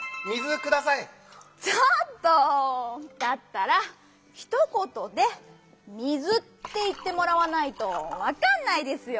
だったらひとことで「水」っていってもらわないとわかんないですよ！